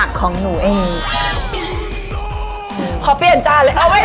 พอเปลี่ยนจ้าเลย